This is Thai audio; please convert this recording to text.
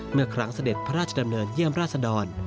เมื่อครั้งเสด็จพระราชดำเนินเยี่ยมราชดร